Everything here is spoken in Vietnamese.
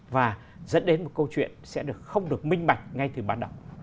và dẫn đến một câu chuyện sẽ không được minh mạnh ngay từ bắt đầu